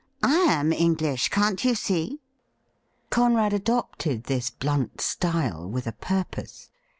I am English — can't you see ?' Conrad adopted this blunt style with a purpose.